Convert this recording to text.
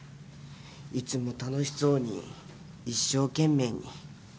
いつも楽しそうに一生懸命に。